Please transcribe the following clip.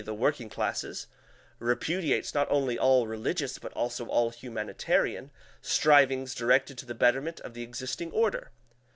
_, the working classes repudiates not only all religious, but also all humanitarian, strivings directed to the betterment of the existing order.